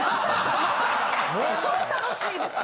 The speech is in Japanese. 超たのしいです！